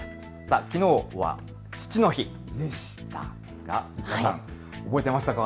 きのうは父の日でしたが皆さん覚えていましたか。